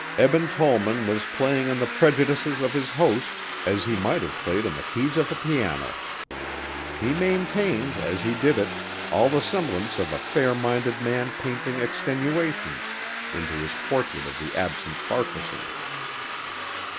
Eben Tollman was playing on the prejudices of his host as he might have played on the keys of a piano. He maintained, as he did it, all the semblance of a fair minded man painting extenuations into his portrait of the absent Farquaharson.